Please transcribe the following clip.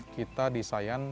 kita di sayan